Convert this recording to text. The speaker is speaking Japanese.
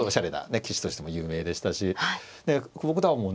棋士としても有名でしたし久保九段もね